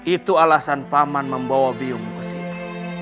itu alasan pak man membawa biongkoh ke sini